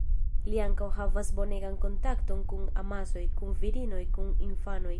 Li ankaŭ havas bonegan kontakton kun amasoj, kun virinoj, kun infanoj.